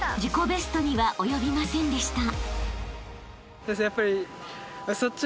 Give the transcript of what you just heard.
ベストには及びませんでした］